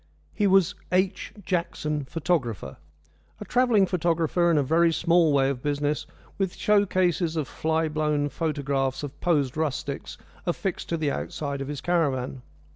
He was "H. Jackson, photographer," a travelling photographer in a very small way of business, with show cases of fly blown photographs of posed rustics affixed to the outside of his caravan.